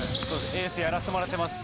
エースやらせてもらってます。